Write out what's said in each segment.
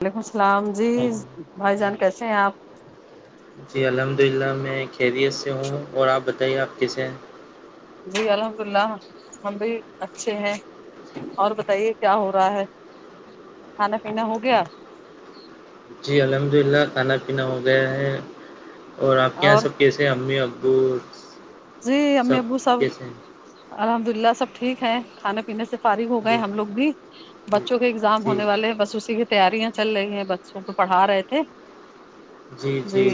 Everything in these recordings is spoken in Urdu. وعلیکم السلام جی بھائی جان کیسے ہیں آپ جی الحمد للہ میں خیریت سے ہوں اور آپ بتائیے آپ کیسے ہیں جی الحمد اللہ ہم بھی اچھے ہیں اور بتائیے کیا ہو رہا ہے کھانا پینا ہو گیا جی الحمد للہ کھانا پینا ہو گیا ہے اور آپ کے یہاں سب کییسے امی ابو جی امی سب ابو ساب کیسے ہیں الحمد للہ سب ٹھیک ہیں کھانے پینے سے فارغ ہو گئے جی ہم لوگ بھی بچوں کے اگزام جی جی ہونے والے بس اسی کے تیاریاں چل رہی ہیں بچوں کو پڑھا رہے تھے جی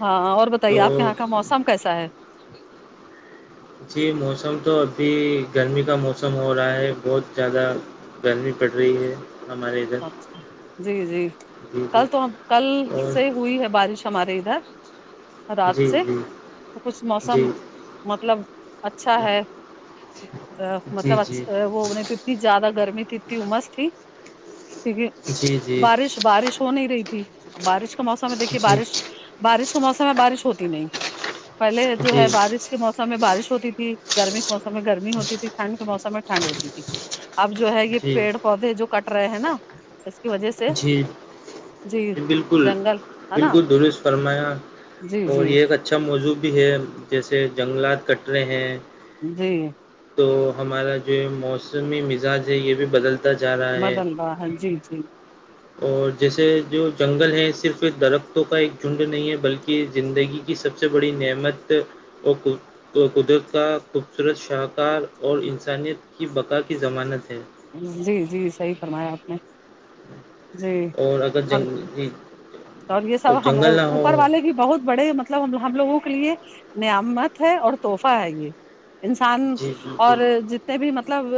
ہاں اور بتائیے تو آپ کے یہاں کا موسم کیسا ہے جی موسم تو ابھی گرمی کا موسم ہو رہا ہے بہت زیادہ گرمی پڑ رہی ہے ہمارے ادھر اچھا جی جی جی جی کل تو ہم کل اور سے ہوئی ہے بارش ہمارے ادھر جی رات سے جی تو کچھ جی موسم مطلب اچھا جی ہے جی مطلب ا وہ [unintelligible] [unintelligible] کیونکہ جی بارش بارش ہو نہیں رہی تھی بارش کا موسم ہے دیکھیے جی جی بارش بارش کا موسم ہے بارش ہوتی نہیں پہلے جو ہے جی بارش کے موسم میں بارش ہوتی تھی گرمی کے موسم میں گرمی ہوتی تھی ٹھنڈ کے موسم میں ٹھنڈ ہوتی تھی اب جو ہے یہ جی پیڑ پودے جو کٹ رہے ہیں نا اس کی وجہ سے جی ج بالکل جنگل ہے نا بالکل درست فرمایا جی اور جی یہ اچا اچھا موضوع بھی ہے جیسے جنگلات کٹرے ہیں جی تو ہمارا جو موسمی مزاج ہے یہ بھی بدلتا جا رہا ہے بدل رہ ہاں جی جی اور جیسے جو جنگل ہے صرف درختوں کا ایک جھنڈ نہیں ہے بلکہ زندگی سب سے بڑی نعمت اور قدرت کا خوبصورت شاہکار اور انسانیت کی بقا کی ضمانت ہے جی جی صحیح فرمایا آپ نے جی اور اگر جنگ ج تو یہ سب ہم اوپر والے بھی بہت بڑے مطلب ہم لوگوں کے لیے نعمت ہے اور تحفہ ہے یہ انسان جی بالکل اور جتنے بھی مطلب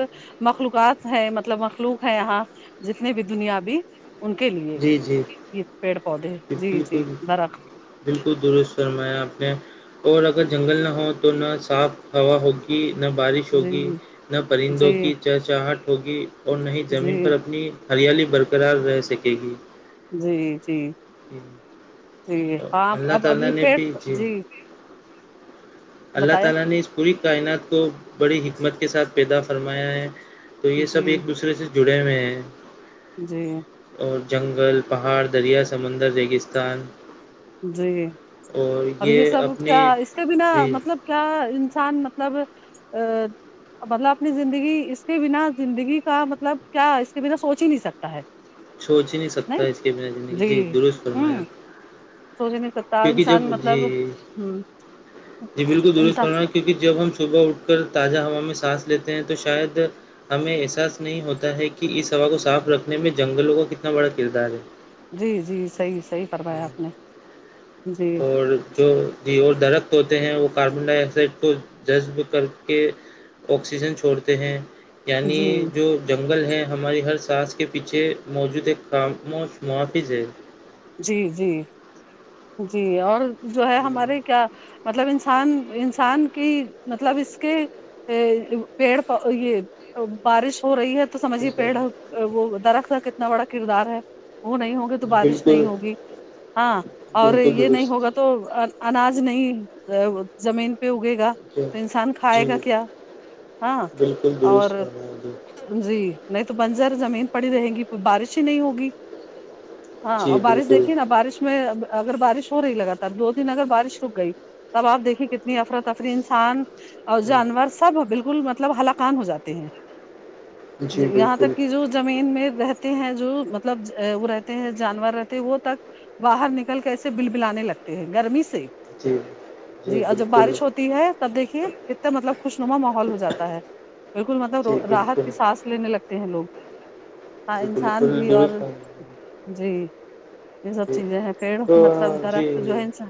مخلوقات ہے مطلب مخلوق ہے یہاں جتنے بھی دنیا بھی ان کے لیے جی جی یہ پیڑ پودے جی جی بالکل درخت بالکل درست سرمایا اپپ نے اور اگر جنگل نہ ہو تو نہ صاف ہوا ہوگی نہ بارش جی ہوگی نہ پرندوں جی کی چہچاہٹ ہوگی اور نہ ہی جی زمین پر اپنی ہریالی برقرار رہ سکے گی جی جی ھمم جی ہاں اب ابھی پٹ جی اللہ بتائیں تعالی نے اس پوری کائنات کو بڑی حکمت کے ساتھ پیدا فرمایا ہے تو یہ سب جی ایک دوسرے سے جڑے ہوئے ہیں جی اور جنگل پہاڑ دریا سمندر ریگستان جی اور یہ سب کیا اس کے بنا جی مطلب کیا انسان مطلب ا [unintelligible] مطلب اپنی زندگی اس کے بنا زندگی کا مطلب کیا اس کے بنا سوچ ہی نہیں سکتا ہے سوچ ہی نہیں سکتا اس کی زندگی جی درست فرمایا سوجے نہیں کیونکہ جب انسان جی مطلب ہ جی بالکل درست انسان کرنا کیونکہ جب ہم صبح اٹھ کر تازہ ہوا میں سانس لیتے ہیں تو شاید ہمیں احساس نہیں ہوتا ہے کہ اس ہوا کو صاف رکھنے میں جنگلوں کا کتنا بڑا کردار ہے جی جی صحیح صحیح فرمایا آپ نے جی اور جو جی اور درخت ہوتے ہیں وہ کاربن ڈائی آکسائڈ کو جذب کر کے آکسیجن چھوڑتے ہیں یعنی جی جو جنگل ہے ہماری ہر سانس کے پیچھے موجود ہے خاموش محافذ ہے جی جی جی اور جو ہے ہمارے کیا مطلب انسان انسان کی مطلب اس کے پیڑ یہ بارش ہو رہی ہے تو سمجھیے پیڑ وہ درخت کا کتنا بڑا کردار ہے وہ نہیں ہوگے تو بارش بالکل نہیں ہوگی ہاں اور بالکل یہ نہیں درست ہوگا تو تو اناج نہیں زمین پہ اگے گا تو انسان کھائے جی گا کیا ہاں بالکل اور درست فرمایا جی جی نہیں تو بنزر زمین پڑی رہیں گی بارش ہی نہیں ہوگی ہاں جی اور بارش بالکل دیکھیے نا بارش میں اگر بارش ہو رہی لگاتار دو دن اگر بارش رک گئی تب آپ دیکھیے کتنی افرتفری انسان اور ہم، جانور سب بالکل مطلب ہلاکان ہو جاتے جی یہاں بالکل تک کہ جو زمین میں رہ ہیں جو مطلب وہ رہتے ہیں جانور رہتے وہ تک باہر نکل کے ایسے بل بلانے لگتے ہیں گرمی سے جی جی اور جب بارش ہوتی ہے تب دیکھیے کتنے مطلب خوشنما ماحول ہو جاتا ہے بالکل مطلب جی راحت کی بالکل سانس لینے لگتے ہیں لوگ ہ جی انسان بالکل بھی درست اور فرمایا جی یہ سب جی چیزیں ہیں پیڑ تو مطلب جی درخت جو جی ہے انسان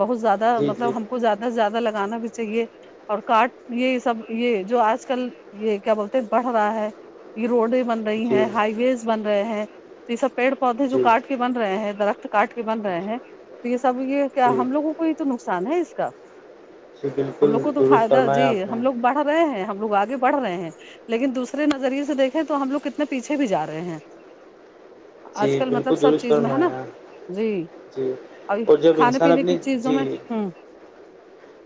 بہت زیادہ جی مطلب ہم کو زیادہ سے زیادہ لگانا بھی چاہیے اور کاٹ یہ سب یہ جو آج کل یہ کیا بولتے ہیں بڑھ رہا ہے یہ روڈیں بن رہی جی ہیں ہائی ویز بن رہے ہیں تو یہ سب پیڑ پودے جو جی کاٹ کے بن رہے ہیں درخت کاٹ کے بن رہے ہیں تو یہ سب یہ کیا جی ہم لوگوں کو تو نقصان ہے اس کا جی ہم بالکل لوگ کو تو درست فائدہ جی فرمایا آپ نے ہم لوگ رہے ہیں ہم لوگ آگے بڑھ رہے ہیں لیکن دوسرے نظریے سے دیکھیں تو ہم لوگ کتنے پیچھے بھی جا رہے ہیں جی آج کل بالکل مطلب سب درست چیز میں کرنا ہے نا ار جی جی اور جب کھانے انسان پینے کی اپنی چیزوں جی میں ہ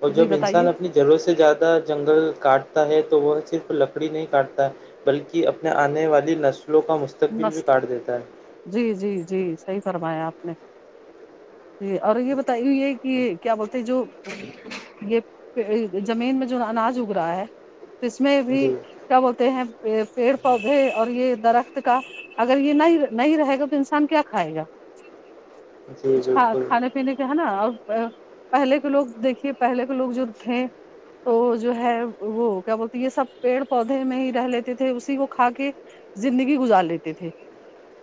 اور جی جب بتائیے انسان اپنی جروں سے زیادہ جنگل کاٹتا ہے تو وہ صرف لکڑی نہیں کاٹتا ہے بلکہ اپنے آنے والی نسلوں کا مستقبل بھی مست کاٹ دیتا ہے جی جی جی صحیح فرمایا آپ نے جی اور یہ بتائی ہوئی ہے کہ کیا بولتے جو یہ زمین میں جو اناج اگ رہا ہے اس میں بھی جی کیا بولتے ہیں پیڑ پودے اور یہ درخت کا اگر یہ نہیں نہیں رہے گا تو انسان کیا کھائے گا جی ہاں بالکل کھانے پینے کا ہے نا اور پہلے کے لوگ دیکھیے پہلے کے لوگ جو تھے تو جو ہے وہ کیا بولتی یہ سب پیڑ پودے میں ہی رہ لیتے تھے اسی کو کھا کے زندگی گزار لیتے تھے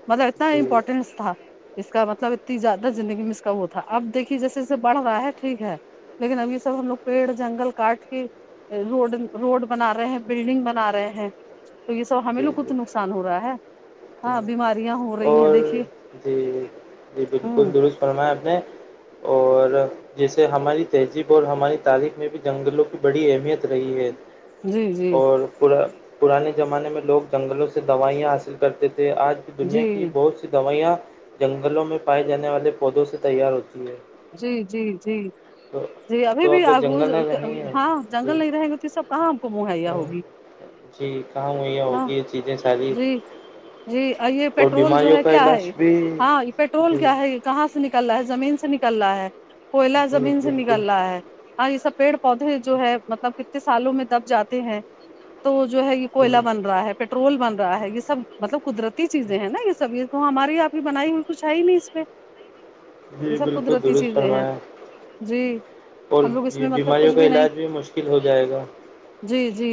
مطلب اتنا جی امپورٹینس تھا اس کا مطلب اتنی زیادہ زندگی میں اس کا وہ تھا اب دیکھیے جیسے جیے بڑھ رہا ہے ٹھیک ہے لیکن اب یہ سب ہم لوگ پیڑ جنگل کاٹ کے روڈ روڈ بنا رہے ہیں بلڈنگ بنا رہے ہیں تو یہ سب ہمیں جی لوگ کو جی تو نقصان ہو رہا ہے جی ہاں بیماریاں ہو رہی ہیں اور دیکھیے جی جی بالکل ہوں درست فرمائیا آپ نے اور جیسے ہماری تہذیب اور ہماری تاریخ میں بھی جنگلوں کی بڑی اہمیت رہی ہے جی جی اور پورا پرانے زمانے میں لوگ جنگلوں سے دوائیاں حاصل کرتے تھے آج دنیا کی جی بہت سی دوائیاں جنگلوں میں پائے جانے والے پودوں سے تیار ہوتی ہیں جی جی جی تو جی ابھی تو بھی اگر اب جنگل نہ رہیں گے ہاں جی جنگل نہیں رہیں گے تو یہ سب کہاں ہم کو مہیا ہوگی جی کہاں وہیا ہاں ہوگی چیزیں ساری جی جی یہ اور پیٹرول جو بیماریوں ہے کا کیا ہے علاج بھی ہاں پیٹرول جی کیا ہے یہ کہاں سے نکل رہا ہے زمین سے نکل رہا ہے کوئلہ جی زمین سے بالکل نکل رہا ہے ہاں یہ سب پیڑ پودے جو ہے مطلب کتنے سالوں میں دب جاتے ہیں تو وہ جو ہے یہ کوئلا جی بن رہا ہے پیٹرول بن رہا ہے یہ سب مطلب قدرتی چیزیں ہیں نا یہ سب یہ تو ہماری آپ ہی بنائی ہوئی کچھ ہے ہی نہیں اس پہ یہ جی سب بالکل قدرتی درست چیزیں ہیں فرمایا جی اور ہم لوگ اس یہ میں مطلب بیماریوں کچھ کا بھی نہیں علاج مشکل ہو جائے گا جی جی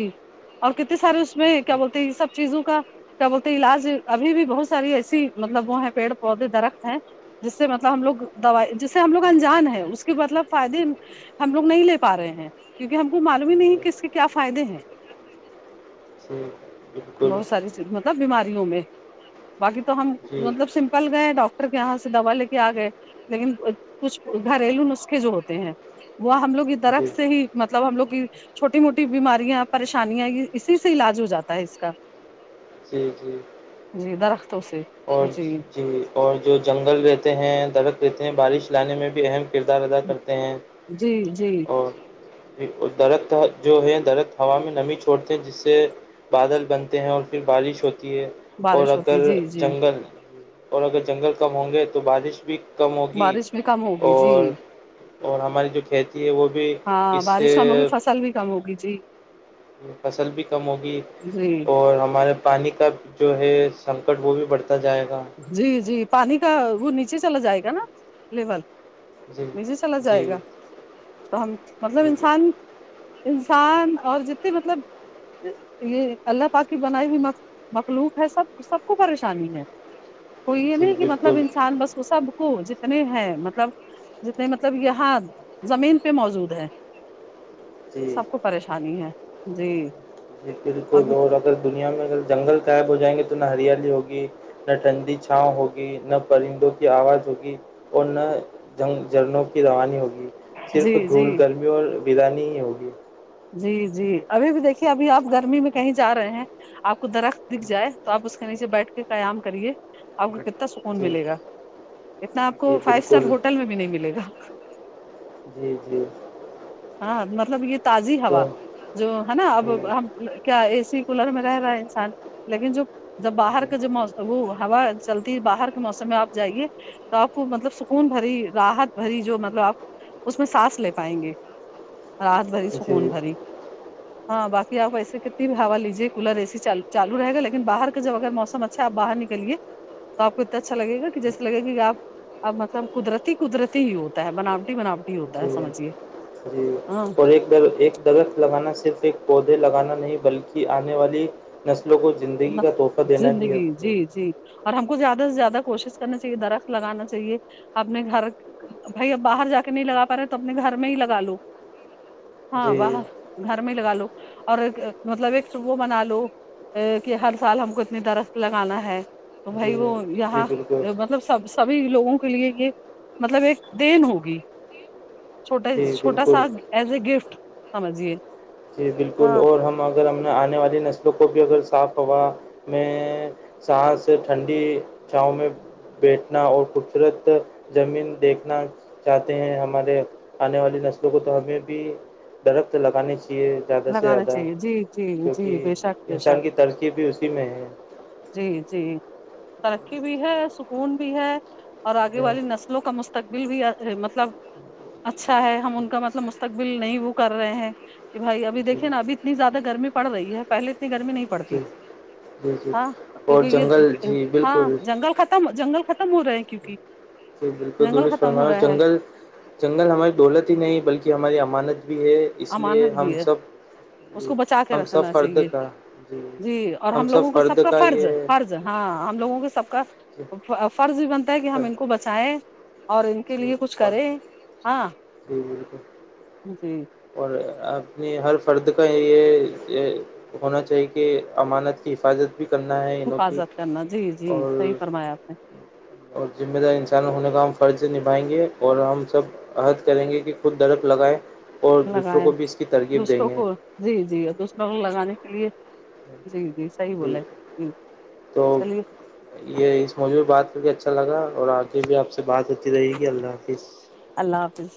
اور کتنے سارے اس میں کیا بولتے یہ سب چیزوں کا کیا بولتے علاج ابھی بھی بہت ساری ایسی مطلب وہ ہیں پیڑ پودے درخت ہیں جس سے مطلب ہم لوگ دوائی جس سے ہم لوگ انجان ہے اس کے مطلب فائدے ہم لوگ نہیں لے پا رہے ہیں کیونکہ ہم کو معلوم ہی نہیں جی کہ اس کے کیا فائدے ہیں [inaudible] [inaudible] بہت سارییز مطلب بیماریوں میں باقی تو ہم جی مطلب سمپل گئے ڈاکٹر کے یہاں سے دوا لے کے آ گئے لیکن کچھ گھریلو نسخے جو ہوتے ہیں وہ ہم لوگ درخت جی سے ہی مطلب ہم لوگ کی چھوٹی موٹی بیماریاں پریشانیاں اسی سے علاج ہو جاتا ہے اس کا جی جی جی درختوں سے اور جی اور جو جنگل رہتے ہیں درخت رہتے ہیں بارش لانے میں بھی اہم کردار ادا کرتے ہیں جی جی اور درخت جو ہے درخت ہوا میں نمی چھوڑتے ہیں جس سے بادل بنتے ہیں اور پھر بارش ہوتی ہے اور بارش ہوتی اگر جی جی جنگل اور اگر جنگل کم ہوں گے تو بارش بھی کم ہوگی بارش بھی کم ہوگی جی اور اور ہماری جو کھیتی ہے وہ بھی اس سے سال بھی کم ہوگی جی فصل بھی کم ہوگی جی اور ہمارے پانی کا جو ہے سنکٹ وہ بھی بڑھتا جائے گا جی جی پانی کا وہ نیچے چلا جائے گا نا لیول جی نیچے چلا جی جائے گا تو ہم مطلب جی انسان انسان اور جتنے مطلب یہ اللہ پاکاکی بنائی ہوئی مخلوق ہے سب سب کو پریشانی ہے کوئی یہ جی نہیں کہ مطلب بالکل انسان بس وہ سب کو جتنے ہیں مطلب جتنے مطلب یہاں زمین پہ موجود ہے جی سب کو پریشانی ہے جی ج بالکل ابھی اور اگر دنیا میں اگر جنگل قائب ہو جائیں گے تو نہ ہریالی ہوگی نہ ٹھنڈی چھاؤ ہوگی نہ پرندوں کی آواز ہوگی اور نہ جن جھرنوں کی رانی ہوگی جی صرف جی دھول گرمی اور بیرانی ہی ہوگی جی جی ابھی بھی دیکھیے ابھی آپ گرمی میں کہیں جا رہے ہیں آپ کو درخت دکھ جائے تو آپ اس کے نیچے بیٹھ کے قیام کریے آپ کو جی کتنا سکون جی ملے گا اتنا آپ جی کو فائیو بالکل اسٹار ہوٹل میں بھی نہیں ملے گا جی جی ہاں مطلب یہ تازی تو ہوا جو ہے نا اب ہم کیا اے سی کولر میں رہ رہا ہے انسان لیکن جو جب باہر کا جو مو وہ ہوا چلتی باہر کے موسم میں آپ جائیے تو آپ کو مطلب سکون بھری راحت بھری جو مطلب آپ اس میں سانس لے پائیں گے رات بھری جی سکون جی بھری [unintelligible] ہاں بقی آپ ایسے کتنی بھی ہوا لیجیے کولر ایےسی چالو رہےا لیکن باہر کا جب اگر موسم اچھا آ باہر نکلیے تو آ کو اتنا اچھا لگےا کہ جیسے لگ گا کہ آپ اب مطلب قدرتی قدرتی ہی ہوتا ہے بناوٹی بناوٹی ہوتا ہے جی سمجھیے جی ہاں اور ایک ایک درخت لگانا صرف ایک پودے لگانا نہیں بلکہ آنے والی نسلوں کو جو زندگی کا تحفہ دینا بھی ہے زندگی ہے جی جی اور ہم کو زیادہ سے زیادہ کوشش کرنی چاہیے درخت لگانا چاہیے اپنے گھر بھائی اب باہر جا کے نہیں لگا پا رہے تو اپنے گھر میں ہی لگا لو ہاں جی باہر گھر میں لگا لو اور ایک مطلب ایک وہ بنا لو کہ ہر سال ہم کو اتنی درخت لگانا ہے تو جی بھائی وہ جی یہاں بالکل مطلب سب سبھی لوگوں کے لیے یہ مطلب ایک دین ہوگی چھوٹا جی چھوٹا سا بالکل ایز اے گفٹ سمجھیے جی بالکل ہاں اور ہم اگر ہم نے آنے والی نسلوں کو بھی اگر صاف ہوا میں سس ٹھنڈی چھاؤں میں بیٹھنا اور خوبصورت زمین دیکھنا چاہتے ہیں ہمارے آنے والی نسلوں کو تو ہمیں بھی درخت لگانی چاہیے زیادہ سے لگانا زیادہ چاہیے جی جی جی کیونکہ بے شک بے شک انسان کی ترجیب بھی اسی میں ہے جی جی ترقی بھی ہے سکون بھی ہے اور آگے جی والی نسل لو کا مستقبل بھی مطلب اچھا ہے ہم ان کا مطلب مستقبل نہیں وہ کر رہے ہیں بھائی جی ابھییکے نا اب اتنی زیادہ گرمی پڑ رہی ہے پہل اتنی گرمی نہیں پڑتی تھی جی جی ہاں اور کیونکہ جنگل یہ جی ہاں بالکل جنگل ختم جنگل ختم ہو رہے ہیں کیونکہ جی بالکل جنگل درست ختم ہو فرما رہے ہیں جنگل جنگل ہماری دولت ہی نہیں بلکہ ہماری امانت بھی ہے اس لیے امانت ہم بھی ہے سب اس جی کو بچا کے ہم سب رکھنا فرد چاہیے کا جی اور ہم لوگوں سب کو فرد کا فرض یہ فرض ہاں ہم لوگوں کے سب کا جی فرض بھی بنتا ہے کہ ہم ان کو بچائیں اور ان کے لیے کچھ کریں ہاں جی جی اور اپنی ہر فرد کا یہ ہونا چاہیے کہ امانت کی حفاظت بھی کرنا ہے انہوں کی حفاظت کرنا جی جی اور صحیح فرمایا آپ اور ذمہ دار انسان ہونے کا ہم فرض نبھائیں گے اور ہم سب عہد کریں گے کہ خود درخ لگائے لگائے دوسروں گے کو جی جی دوسروں کو لگانے کے لیے جی جی صحیح بولے جی تو چلیے یہ اس مجے بھی بات کر کے اچھا لگا اور آگے بھی آپ سے بات ہوتی رہے گی اللہ حافظ اللہ حافظ